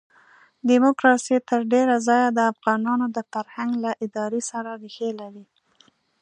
ډیموکراسي تر ډېره ځایه د افغانانو د فرهنګ له ادارې سره ریښې لري.